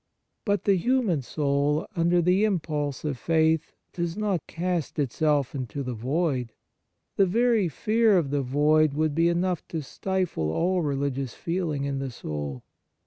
But the human soul, under the impulse of faith, does not cast itself into the void. The very fear of the void would be enough to stifle all religious feeling in the soul.